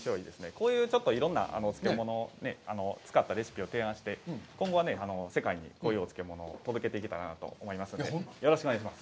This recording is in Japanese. こういうちょっといろんな漬物を使ったレシピを提案して、今後は世界にこういうお漬物を届けていけたらなと思いますのでよろしくお願いします。